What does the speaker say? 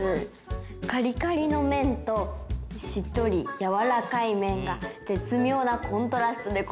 カリカリの麺としっとり軟らかい麺が絶妙なコントラストで。